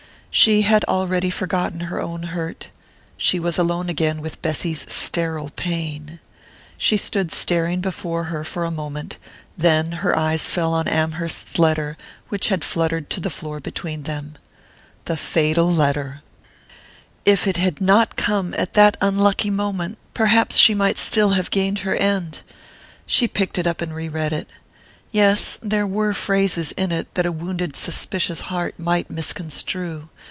She had already forgotten her own hurt she was alone again with Bessy's sterile pain. She stood staring before her for a moment then her eyes fell on Amherst's letter, which had fluttered to the floor between them. The fatal letter! If it had not come at that unlucky moment perhaps she might still have gained her end.... She picked it up and re read it. Yes there were phrases in it that a wounded suspicious heart might misconstrue....